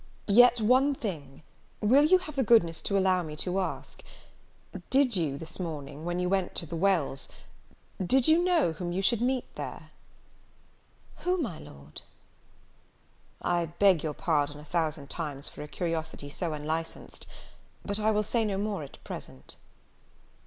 Yet one thing, will you have the goodness to allow me to ask? Did you, this morning, when you went to the Wells, did you know whom you should meet there?" "Who, my Lord?" "I beg your pardon a thousand times for a curiosity so unlicensed; but I will say no more at present."